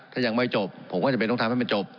ถ้ายังไม่จบผมก็จำเป็นต้องทำให้มันจบ